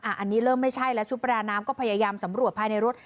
อันนี้เริ่มไม่ใช่แล้วชุดประดาน้ำก็พยายามสำรวจภายในรถ